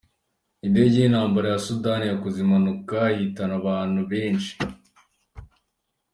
Indege y’intambara ya Sudani yakoze impanuka ihitana abantu abantu benshi